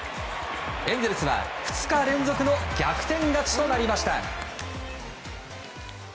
エンゼルスは２日連続の逆転勝ちとなりました。